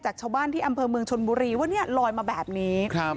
จากชาวบ้านที่อำเภอเมืองชนบุรีว่าเนี่ยลอยมาแบบนี้ครับ